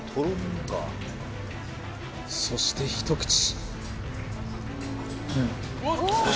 そして一口うん